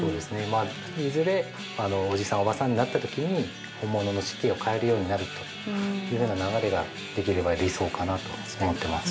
◆いずれおじさん、おばさんになったときに本物の漆器を買えるようになるというふうな流れができれば理想かなと思います。